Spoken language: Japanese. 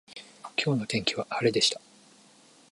今日の天気は晴れでした。